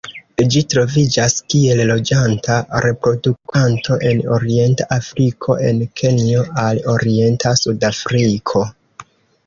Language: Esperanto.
Ĝi troviĝas kiel loĝanta reproduktanto en orienta Afriko el Kenjo al orienta Sudafriko.